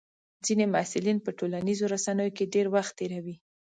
ځینې محصلین په ټولنیزو رسنیو کې ډېر وخت تېروي.